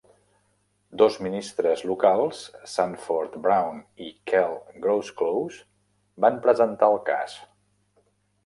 Dos ministres locals, Sanford Brown i Kel Groseclose van presentar el cas.